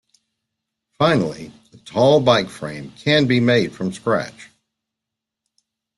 Finally, a tall bike frame can be made from scratch.